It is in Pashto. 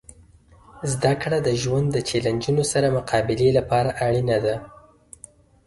زدهکړه د ژوند د چیلنجونو سره مقابلې لپاره اړینه ده.